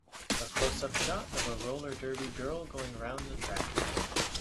A closeup shot of a roller derby girl going round the track.